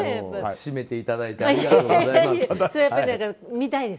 締めていただいてありがとうございます。